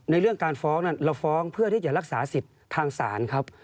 เรื่องการฟ้องนั้นเราฟ้องเพื่อที่จะรักษาสิทธิ์ทางศาลครับ